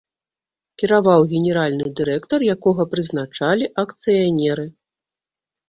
Кіраваў генеральны дырэктар, якога прызначалі акцыянеры.